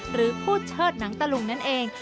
หรือผู้เชิดหนังตะลุงนั่นเอง